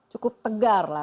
cukup tegar lah